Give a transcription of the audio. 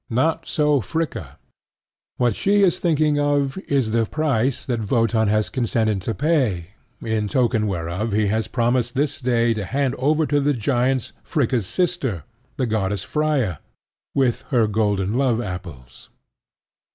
Not so Fricka. What she is thinking of is this price that Wotan has consented to pay, in token whereof he has promised this day to hand over to the giants Fricka's sister, the goddess Freia, with her golden love apples.